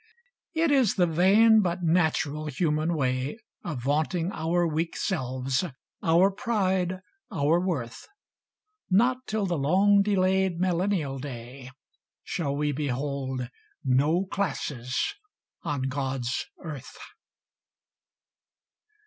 It is the vain but natural human way Of vaunting our weak selves, our pride, our worth! Not till the long delayed millennial day Shall we behold "no classes" on God's earth.